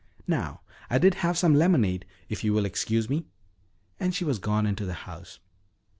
Now I did have some lemonade if you will excuse me," and she was gone into the house.